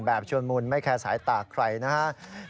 ชวนมุนไม่แคร์สายตาใครนะครับ